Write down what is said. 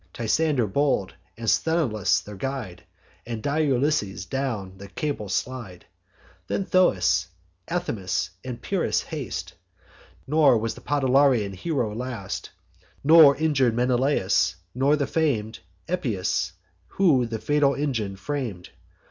Tysander bold, and Sthenelus their guide, And dire Ulysses down the cable slide: Then Thoas, Athamas, and Pyrrhus haste; Nor was the Podalirian hero last, Nor injur'd Menelaus, nor the fam'd Epeus, who the fatal engine fram'd.